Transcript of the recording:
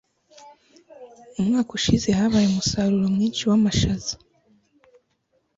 Umwaka ushize habaye umusaruro mwinshi wamashaza